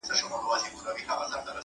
نن دي سترګو کي تصویر را سره خاندي-